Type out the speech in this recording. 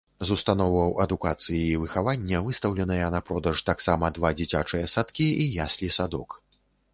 З установаў адукацыі і выхавання выстаўленыя на продаж таксама два дзіцячыя садкі і яслі-садок.